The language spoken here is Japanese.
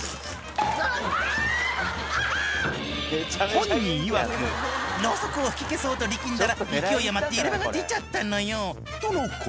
本人いわくロウソクを吹き消そうと力んだら勢い余って入れ歯が出ちゃったのよ！との事。